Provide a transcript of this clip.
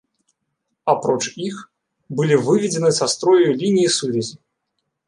Апроч іх, былі выведзены са строю лініі сувязі.